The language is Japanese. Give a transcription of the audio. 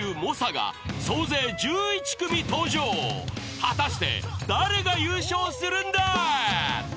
［果たして誰が優勝するんだ？って］